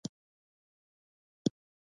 تر کومه چې پوهېږم، دا کار نا شونی دی.